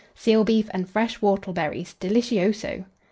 Seal beef and fresh whortleberries delicioso!